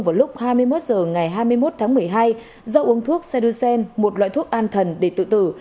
vào lúc hai mươi một h ngày hai mươi một tháng một mươi hai do uống thuốc cedusen một loại thuốc an thần để tự tử